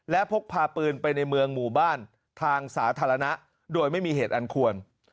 และพกพาปืนไปในเมืองหมู่บ้านทางสาธารณะโดยไม่มีเหตุอันควร